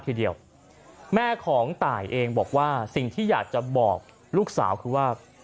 ทีเดียวแม่ของตายเองบอกว่าสิ่งที่อยากจะบอกลูกสาวคือว่า